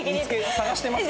探してますか？